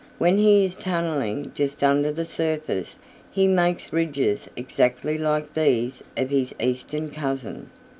When he is tunneling just under the surface he makes ridges exactly like these of his eastern cousin.